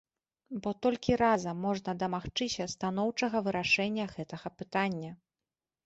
Бо толькі разам можна дамагчыся станоўчага вырашэння гэтага пытання.